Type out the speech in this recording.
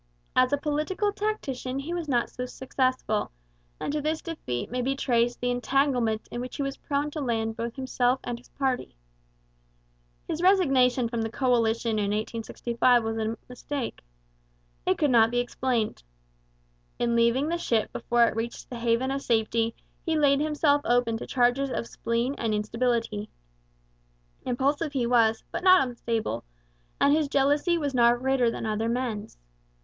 As a political tactician he was not so successful, and to this defect may be traced the entanglements in which he was prone to land both himself and his party. His resignation from the coalition in 1865 was a mistake. It could not be explained. In leaving the ship before it reached the haven of safety he laid himself open to charges of spleen and instability. Impulsive he was, but not unstable, and his jealousy was not greater than other men's.